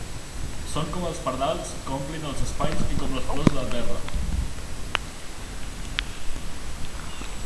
Són com els pardals que omplin els espais i com les flors de la terra.